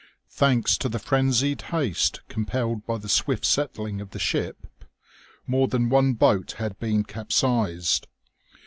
Thanks to the frenzied haste compelled by the swift settling of the ship, more than one boat had been capsized.